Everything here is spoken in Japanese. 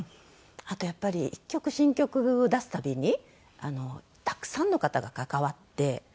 あとやっぱり１曲新曲を出すたびにたくさんの方が関わって。